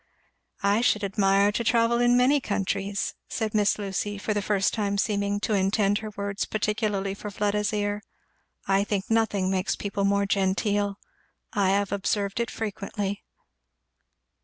"I should admire to travel in many countries," said Miss Lucy, for the first time seeming to intend her words particularly for Fleda's ear. "I think nothing makes people more genteel. I have observed it frequently."